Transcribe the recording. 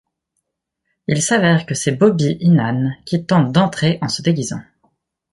Il s'avère que c'est Bobby Heenan qui tente d'entrer en se déguisant.